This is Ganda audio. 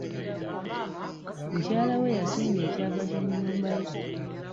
Mukyala we yasinga ekyapa ky'ennyumba ye.